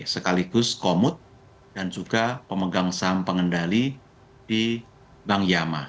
sekaligus komut dan juga pemegang saham pengendali di bank yama